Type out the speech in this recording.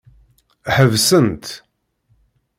Ḥebsent.